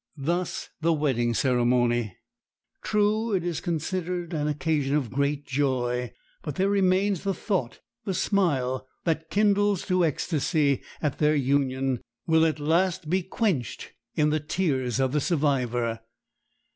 Thus the wedding ceremony. True, it is considered an occasion of great joy; but there remains the thought, the smile that kindles to ecstasy at their union will at last be quenched in the tears of the survivor.